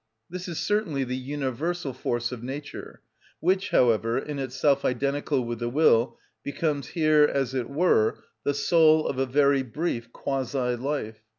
This is certainly the universal force of nature, which, however, in itself identical with the will, becomes here, as it were, the soul of a very brief quasi life.